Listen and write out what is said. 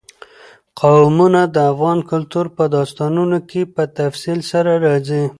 قومونه د افغان کلتور په داستانونو کې په تفصیل سره راځي.